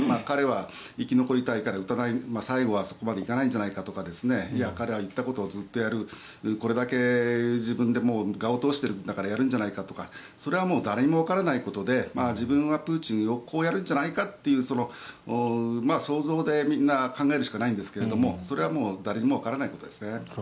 彼は生き残りたいから最後はそこまでいかないんじゃないかとか彼は言ったことをずっとやるこれだけ自分で我を通しているんだからやるんじゃないかとかそれは誰にもわからないことで自分はプーチンをこうやるんじゃないかという想像でみんな考えるしかないんですがそれは誰にもわからないことですね。